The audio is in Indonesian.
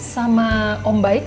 sama om baik